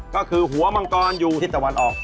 ก็คือหัวมังกรอยู่ทิศตะวันออก